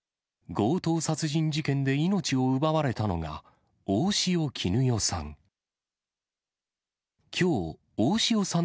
強盗殺人事件で命を奪われたのが、大塩衣与さん。